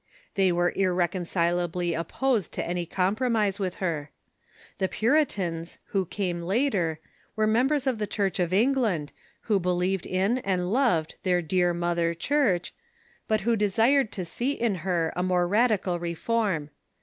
They were irrecon cilably opposed to any compromise with her. The Puritans, who came later, were members of the Church of England, who believed in and loved "their dear mother Church," but who desired to see in her a more radical reform.